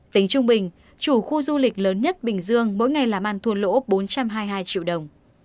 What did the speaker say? tính trung bình chủ khu du lịch lớn nhất bình dương mỗi ngày làm ăn thua lỗ bốn trăm hai mươi hai triệu đồng